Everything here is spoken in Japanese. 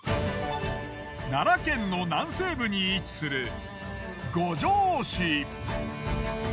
奈良県の南西部に位置する五條市。